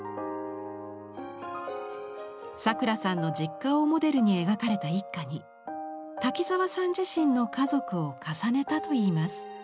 さくらさんの実家をモデルに描かれた一家に滝沢さん自身の家族を重ねたといいます。